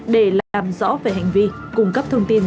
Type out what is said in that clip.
để làm rõ về hành vi cung cấp thông tin